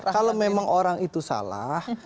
kalau memang orang itu salah